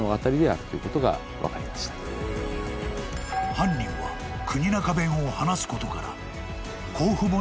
［犯人は国中弁を話すことから］